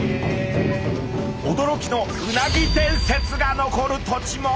驚きのうなぎ伝説が残る土地も！